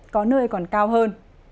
có nơi còn cao hơn